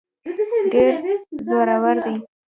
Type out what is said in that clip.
ډېر زورور دی.